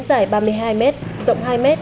dài ba mươi hai m rộng hai m